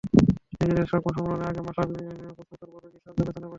নিজের সংবাদ সম্মেলনের আগে মাশরাফির প্রশ্নোত্তরপর্বের কিছু অংশ পেছনে বসে শুনলেন।